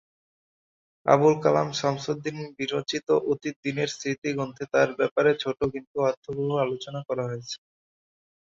আবুল কালাম শামসুদ্দিন বিরচিত "অতীত দিনের স্মৃতি" গ্রন্থে তাঁর ব্যাপারে ছোট কিন্তু অর্থবহ আলোচনা করা হয়েছে।